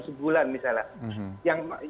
sebulan misalnya yang